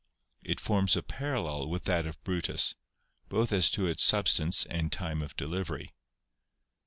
It forms a parallel with that of Brutus, both as to its substance and time of delivery.